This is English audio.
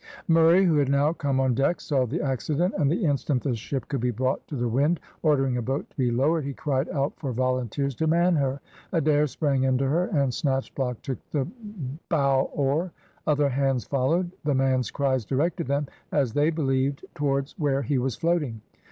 Murray, who had now come on deck, saw the accident, and the instant the ship could be brought to the wind, ordering a boat to be lowered, he cried out for volunteers to man her. Adair sprang into her, and Snatchblock took the bow oar. Other hands followed. The man's cries directed them, as they believed, towards where he was floating.